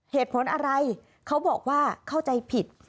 เหตุผลอะไรเขาบอกว่าเข้าใจผิด